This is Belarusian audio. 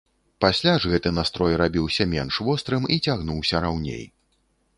Пасля ж гэты настрой рабіўся менш вострым і цягнуўся раўней.